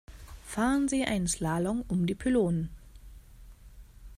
Fahren Sie einen Slalom um die Pylonen.